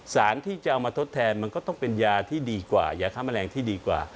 สารที่จะเอามาทดแทนมันก็ต้องเป็นยาที่ดีกว่ายาฆ่าแมลงที่ดีกว่า